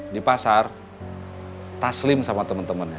di pasar taslim sama temen temennya